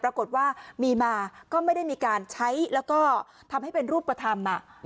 ปรากฏว่ามีมาก็ไม่ได้มีการใช้แล้วก็ทำให้เป็นรูปธรรม